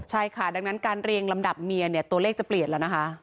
ใช่ค่ะดังนั้นการเรียงลำดับเมียเนี่ยตัวเลขจะเปลี่ยนแล้วนะคะ